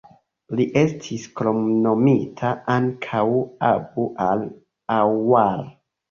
Li estis kromnomita ankaŭ "Abu-al-Aaŭar".